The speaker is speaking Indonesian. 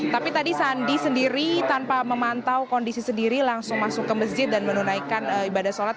tapi tadi sandi sendiri tanpa memantau kondisi sendiri langsung masuk ke masjid dan menunaikan ibadah sholat